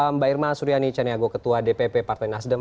mbak irma suryani caniago ketua dpp partai nasdem